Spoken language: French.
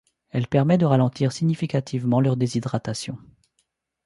Elle permet de ralentir significativement leur déshydratation.